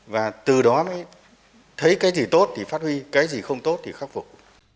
và từ đó mới thấy cái gì tốt thì phát huy cái gì không tốt thì khắc phục